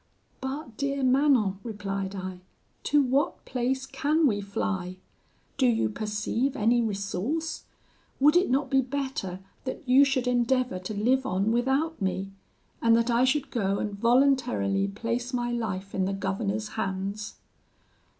'But, dear Manon,' replied I, 'to what place can we fly? Do you perceive any resource? Would it not be better that you should endeavour to live on without me; and that I should go and voluntarily place my life in the governor's hands?'